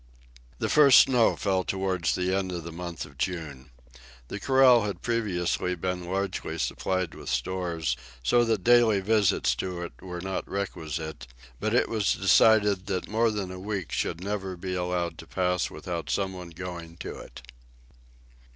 The first snow fell towards the end of the month of June. The corral had previously been largely supplied with stores, so that daily visits to it were not requisite; but it was decided that more than a week should never be allowed to pass without someone going to it.